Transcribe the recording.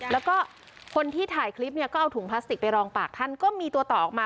แล้วก็คนที่ถ่ายคลิปเนี่ยก็เอาถุงพลาสติกไปรองปากท่านก็มีตัวต่อออกมา